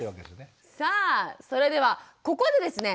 さあそれではここでですね